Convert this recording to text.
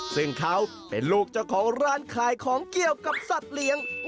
ซึ่งเขาเป็นลูกเจ้าของร้านขายของเกี่ยวกับสัตว์เลี้ยง